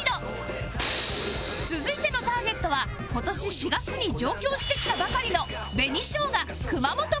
続いてのターゲットは今年４月に上京してきたばかりの